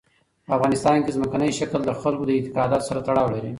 په افغانستان کې ځمکنی شکل د خلکو د اعتقاداتو سره تړاو لري.